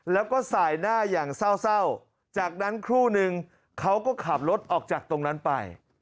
แล้วก็สายหน้าอย่างเศร้าจากนั้นครู่นึงเขาก็ขับรถออกจากตรงนั้นไป